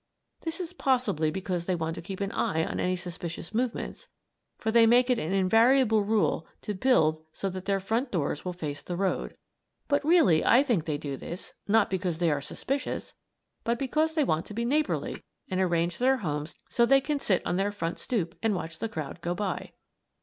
This is possibly because they want to keep an eye on any suspicious movements; for they make it an invariable rule to build so that their front doors will face the road. But really I think they do this, not because they are suspicious, but because they want to be neighborly and arrange their homes so they can sit on their front stoop and watch the crowd go by.